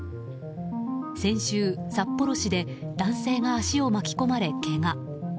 先週、札幌市で男性が足を巻き込まれ、けが。